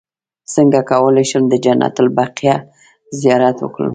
څنګه کولی شم د جنت البقیع زیارت وکړم